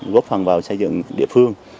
góp phần vào xây dựng địa phương